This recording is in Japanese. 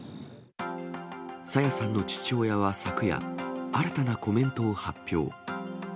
朝芽さんの父親は昨夜、新たなコメントを発表。